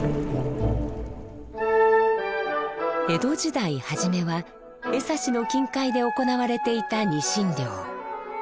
江戸時代初めは江差の近海で行われていたにしん漁。